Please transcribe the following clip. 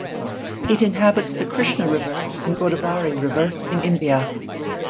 It inhabits the Krishna River and Godavari River in India.